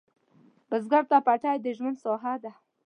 بزګر ته پټی د ژوند ساحه ده